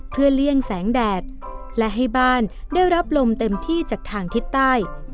เพื่อเลี่ยงแสงแดดและให้บ้านได้รับลมเต็มที่จากทางทิศใต้